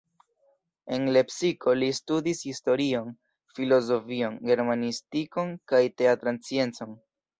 En Lepsiko li studis historion, filozofion, germanistikon kaj teatran sciencon.